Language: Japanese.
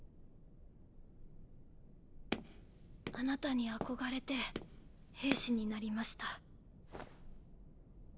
あなたに憧れて兵士になりました。